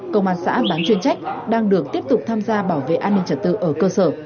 công an xã bán chuyên trách đang được tiếp tục tham gia bảo vệ an ninh trật tự ở cơ sở